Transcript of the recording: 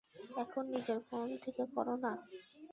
এখন নিজের ফোন থেকে করো না।